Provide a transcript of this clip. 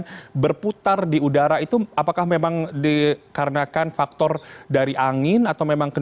tadi kalau melihat dari gambar begitu kita juga deg degan melihatnya karena ketika sedang diangkat proses evakuasi